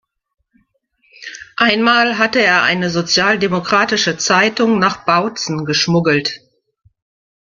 Einmal hatte er eine sozialdemokratische Zeitung nach Bautzen geschmuggelt.